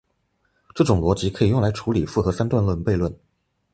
这种逻辑可以用来处理复合三段论悖论。